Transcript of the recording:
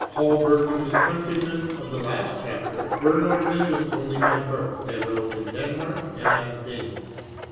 Holberg, and his countrymen of the last chapter, were Norwegians only by birth. They wrote in Denmark, and as Danes.